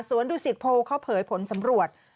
สวนดุสิทธิ์โพลเขาเผยผลสำรวจ